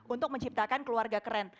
untuk menciptakan keluarga keren